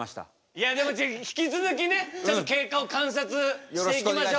いやでもじゃあ引き続きね経過を観察していきましょう。